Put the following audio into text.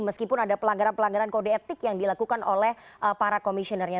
meskipun ada pelanggaran pelanggaran kode etik yang dilakukan oleh para komisionernya